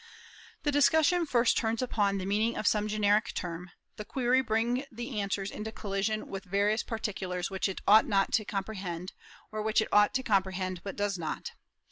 The discussion first turns upon the meaning of some generic term; the queries bring the answers into collision with various particulars which it ought not to comprehend, or which it ought to comprehend, but does not.